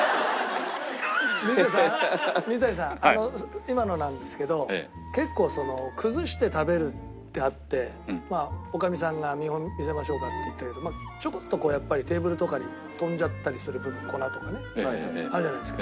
今のなんですけど結構崩して食べるってあって女将さんが見本見せましょうかって言ったけどちょこっとやっぱりテーブルとかに飛んじゃったりする粉とかねあるじゃないですか。